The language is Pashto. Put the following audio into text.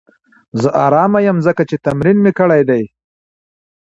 زه ارامه یم ځکه چې تمرین مې کړی دی.